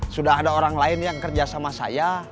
sudah ada orang lain yang kerja sama saya